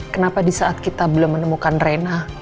kenapa di saat kita belum menemukan rena